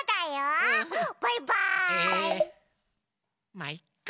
まいっか。